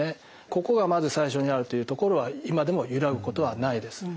ここがまず最初にあるというところは今でも揺らぐことはないです。